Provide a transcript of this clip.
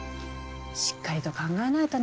しっかりと考えないとね。